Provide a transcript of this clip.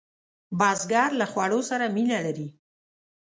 بزګر له خوړو سره مینه لري